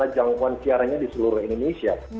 jangkauan siaranya di seluruh politik indonesia